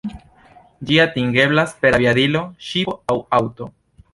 Ĝi atingeblas per aviadilo, ŝipo aŭ aŭto.